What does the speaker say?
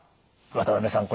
渡辺さん